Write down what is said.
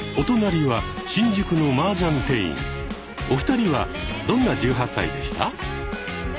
お二人はどんな１８歳でした？